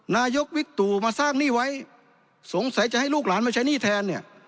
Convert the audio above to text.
นายกวิกตู่มาสร้างหนี้ไว้สงสัยจะให้ลูกหลานมาใช้หนี้แทนเนี่ย